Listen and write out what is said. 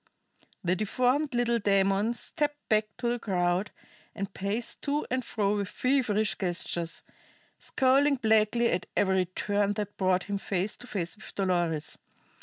The deformed little demon stepped back to the crowd, and paced to and fro with feverish gestures, scowling blackly at every turn that brought him face to face with Dolores.